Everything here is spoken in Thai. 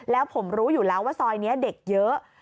แล้วผมรู้อยู่แล้วว่าซอยนี้เด็กเยอะ